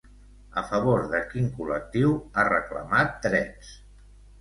A favor de quin col·lectiu ha reclamat drets?